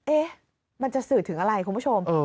มันจะสื่อถึงอะไรคุณผู้ชม